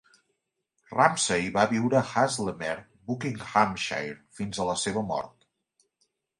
Ramsay va viure a Hazlemere (Buckinghamshire) fins a la seva mort.